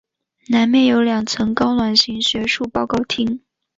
南面有两层高卵形学术报告厅。